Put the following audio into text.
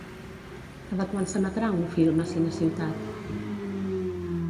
Cada quant s'emetrà un film a CineCiutat?